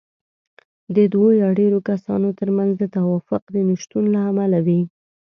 د دوو يا ډېرو کسانو ترمنځ د توافق د نشتون له امله وي.